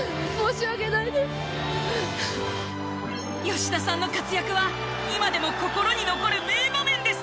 吉田さんの活躍は今でも心に残る名場面です。